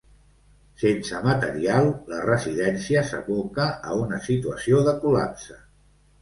Sense material, la residència s’aboca a una situació de col·lapse.